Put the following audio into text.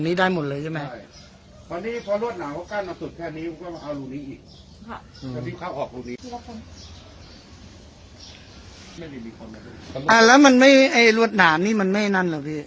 ไม่ได้มีคนมาดูอ่าแล้วมันไม่ไอ้รวดหนามนี่มันไม่นั่นเหรอพี่